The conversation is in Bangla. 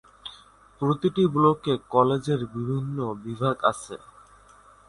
প্রতিটি ব্লকে কলেজের বিভিন্ন বিভাগ আছে।